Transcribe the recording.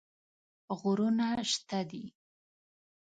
غرونه شته دي.